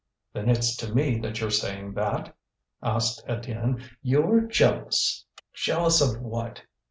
"Then it's to me that you're saying that?" asked Étienne; "you're jealous!" "Jealous of what?"